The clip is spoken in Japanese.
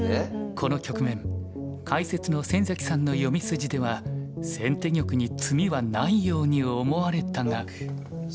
この局面解説の先崎さんの読み筋では先手玉に詰みはないように思われたが。